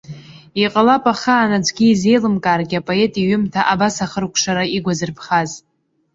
Иҟалап ахаан аӡәгьы изеилымкааргьы апоет иҩымҭа абас ахыркәшара игәазырԥхаз.